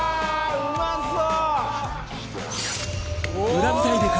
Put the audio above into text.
うまそう！